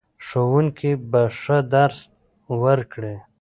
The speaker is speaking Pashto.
ښوونکي به ښه درس ورکړي.